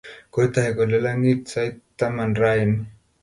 Kotau kolalang'it sait taman raini.